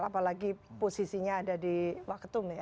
apalagi posisinya ada di waketum ya